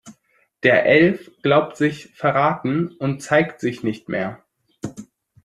Der Elf glaubt sich verraten und zeigt sich nicht mehr.